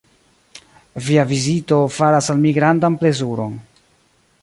Via vizito faras al mi grandan plezuron.